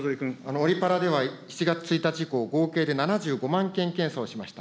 オリパラでは、７月１日以降、合計で７５万件検査をしました。